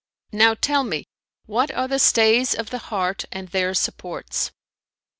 Now tell me what are the stays of the heart and their supports?"